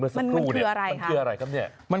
ไม่ไม่ไม่